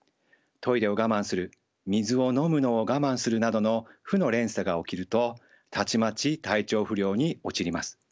トイレを我慢する水を飲むのを我慢するなどの負の連鎖が起きるとたちまち体調不良に陥ります。